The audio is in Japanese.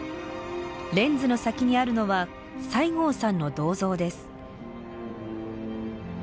レンズの先にあるのは西郷さんの銅像です。